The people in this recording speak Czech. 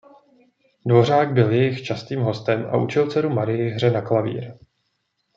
Dvořák byl jejich častým hostem a učil dceru Marii hře na klavír.